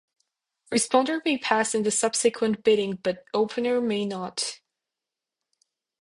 Responder may pass in the subsequent bidding but Opener may not.